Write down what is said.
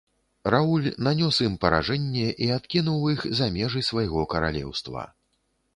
Рауль нанёс ім паражэнне і адкінуў іх за межы свайго каралеўства.